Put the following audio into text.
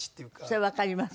それわかります。